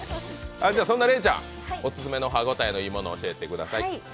そんなレイちゃん、おすすめの歯ごたえのいいもの教えてください。